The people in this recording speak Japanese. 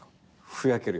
ふやけるよ。